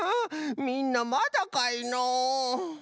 みんなまだかいのう？